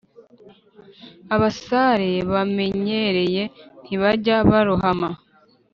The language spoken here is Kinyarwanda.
abasare bamenyereye ntibajya barohama